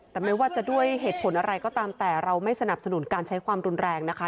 แต่ไม่ว่าจะด้วยเหตุผลอะไรก็ตามแต่เราไม่สนับสนุนการใช้ความรุนแรงนะคะ